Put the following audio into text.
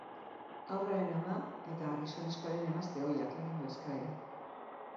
Haurraren ama eta gizonezkoaren emazte ohiak egin du eskaera.